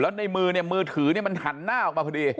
แล้วในมือถือมันหันหน้าออกมาพอดี